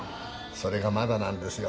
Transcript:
それがまだなんですよ。